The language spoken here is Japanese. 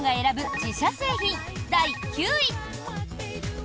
自社製品第９位。